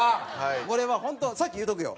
これはホント先言うとくよ。